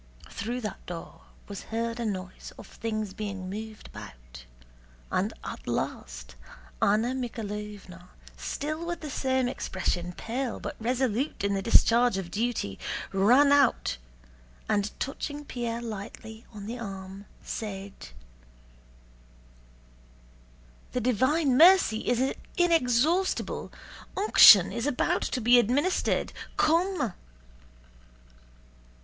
Through that door was heard a noise of things being moved about, and at last Anna Mikháylovna, still with the same expression, pale but resolute in the discharge of duty, ran out and touching Pierre lightly on the arm said: "The divine mercy is inexhaustible! Unction is about to be administered. Come."